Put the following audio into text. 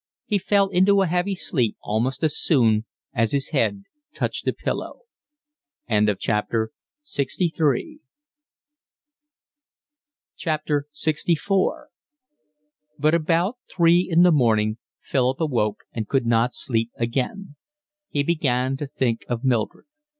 He fell into a heavy sleep almost as soon as his head touched the pillow. LXIV But about three in the morning Philip awoke and could not sleep again. He began to think of Mildred.